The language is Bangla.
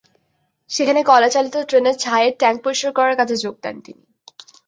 সেখানে কয়লাচালিত ট্রেনের ছাইয়ের ট্যাংক পরিষ্কার করার কাজে যোগ দেন তিনি।